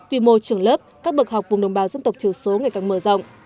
quy mô trường lớp các bậc học vùng đồng bào dân tộc thiểu số ngày càng mở rộng